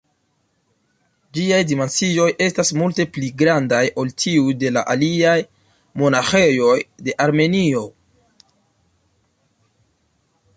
Ĝiaj dimensioj estas multe pli grandaj ol tiuj de la aliaj monaĥejoj de Armenio.